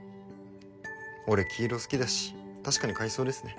俺黄色好きだし確かに買いそうですね。